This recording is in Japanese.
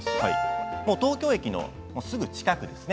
東京駅のすぐ近くですね。